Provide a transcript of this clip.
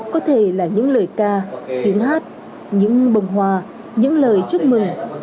có thể là những lời ca tiếng hát những bồng hòa những lời chúc mừng